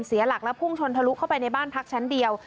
เสียหลักและพุ่งชนทะลุเข้าไปในบ้านพักชั้นเดียว